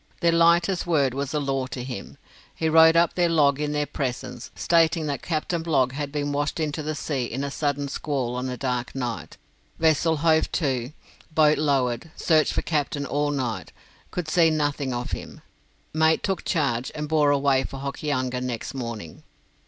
Their lightest word was a law to him. He wrote up the log in their presence, stating that Captain Blogg had been washed into the sea in a sudden squall on a dark night; vessel hove to, boat lowered, searched for captain all night, could see nothing of him; mate took charge, and bore away for Hokianga next morning.